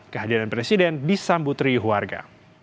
kehadiran presiden disambut riuh warga